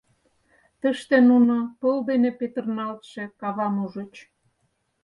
Тыште нуно пыл дене петырналтше кавам ужыч.